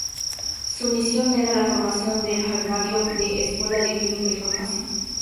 Su misión era la formación del Herbario de "Escuela de Química y Farmacia".